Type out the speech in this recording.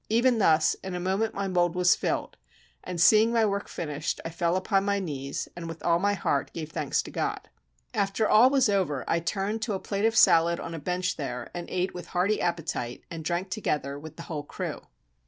Even thus in a moment my mold was filled; and seeing my work finished, I fell upon my knees, and with all my heart gave thanks to God. After all was over, I turned to a plate of salad on a bench there, and ate with hearty appetite, and drank together with the whole crew.